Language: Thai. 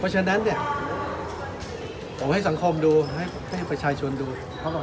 เพราะฉะนั้นเนี่ยผมให้สังคมดูให้ประชาชนดู